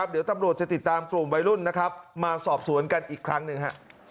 เดี๋ยวตำรวจจะติดตามกลุ่มวัยรุ่นนะครับมาสอบสวนกันอีกครั้งหนึ่ง